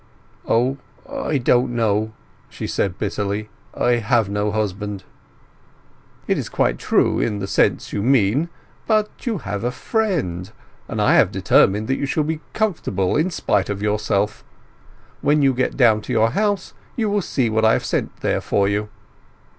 "O—I don't know!" she said bitterly. "I have no husband!" "It is quite true—in the sense you mean. But you have a friend, and I have determined that you shall be comfortable in spite of yourself. When you get down to your house you will see what I have sent there for you."